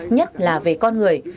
nhất là về con người